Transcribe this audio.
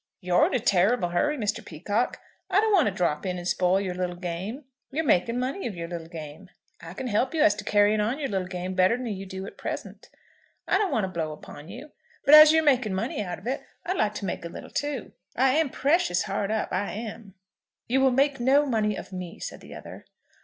"You're in a terrible hurry, Mister Peacocke. I don't want to drop in and spoil your little game. You're making money of your little game. I can help you as to carrying on your little game, better than you do at present. I don't want to blow upon you. But as you're making money out of it, I'd like to make a little too. I am precious hard up, I am." "You will make no money of me," said the other.